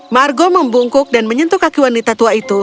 margo membungkuk dan menyentuh kaki wanita tua itu